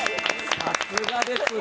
さすがですね。